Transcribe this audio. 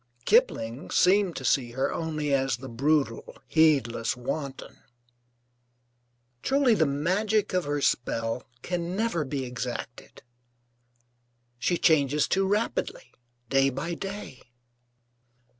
Kipling seemed to see her only as the brutal, heedless wanton.) Truly the magic of her spell can never be exacted. She changes too rapidly, day by day.